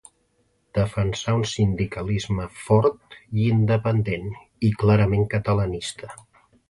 Defensà un sindicalisme fort i independent, i clarament catalanista.